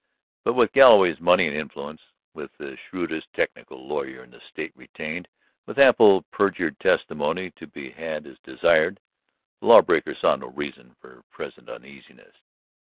But with Galloway's money and influence, with the shrewdest technical lawyer in the State retained, with ample perjured testimony to be had as desired, the law breaker saw no reason for present uneasiness.